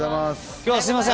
今日は、すみません。